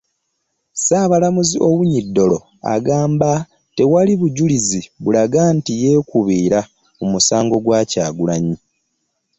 Ssaabalamuzi Owinyi Dollo agamba tewali bujulizi bulaga nti yeekubira mu musango gwa Kyagulanyi